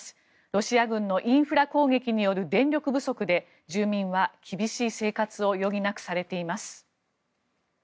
ロシア軍のインフラ攻撃による電力不足で住民は厳しい生活を余儀なくされています。